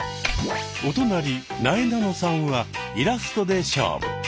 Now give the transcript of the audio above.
お隣なえなのさんはイラストで勝負。